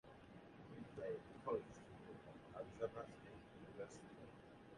He played college football at Arizona State University.